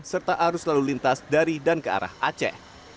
serta arus lalu lintas dari dan ke arah aceh